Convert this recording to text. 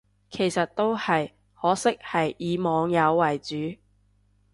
其實都係，可惜係以網友為主